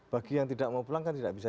bagi yang tidak mau pulang kan tidak bisa